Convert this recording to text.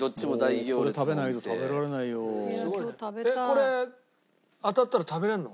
これ当たったら食べられるの？